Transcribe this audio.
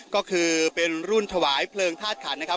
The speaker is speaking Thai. ก็คือเป็นรุ่นถวายเพลิงธาตุขันนะครับ